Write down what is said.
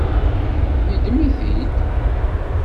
Yeddem-it-id.